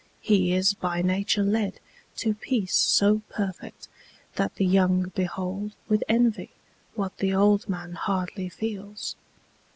He is by nature led To peace so perfect, that the young behold With envy, what the old man hardly feels.